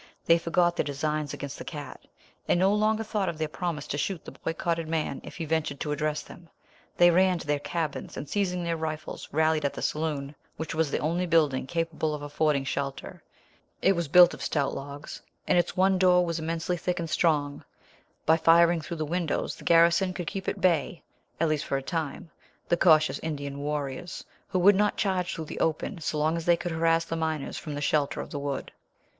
They forgot their designs against the cat, and no longer thought of their promise to shoot the boycotted man if he ventured to address them. They ran to their cabins, and seizing their rifles, rallied at the saloon, which was the only building capable of affording shelter. It was built of stout logs, and its one door was immensely thick and strong. By firing through the windows the garrison could keep at bay, at least for a time, the cautious Indian warriors, who would not charge through the open, so long as they could harass the miners from the shelter of the wood.